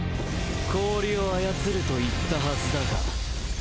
氷を操ると言ったハズだが。